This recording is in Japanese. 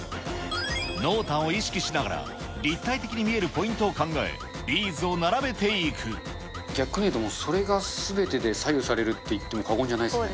濃淡を意識しながら、立体的に見えるポイントを考え、ビーズを並逆に言うと、もうそれがすべてで左右されるっていっても過言じゃないですね。